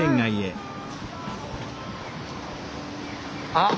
あっ！